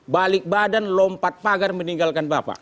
balik badan lompat pagar meninggalkan bapak